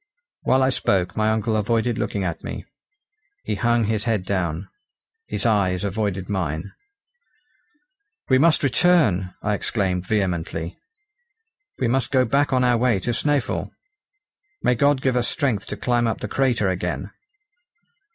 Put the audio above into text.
While I spoke my uncle avoided looking at me; he hung his head down; his eyes avoided mine. "We must return," I exclaimed vehemently; "we must go back on our way to Snæfell. May God give us strength to climb up the crater again!"